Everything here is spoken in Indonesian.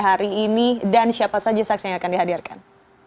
hari ini dan siapa saja saksi yang akan dihadirkan